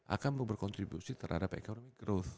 akan berkontribusi terhadap ekonomi